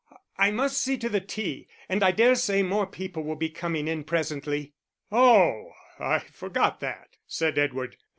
I must see to the tea; and I dare say more people will be coming in presently." "Oh, I forgot that," said Edward.